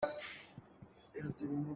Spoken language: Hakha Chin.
Fur ah cun thing khomh a har ko.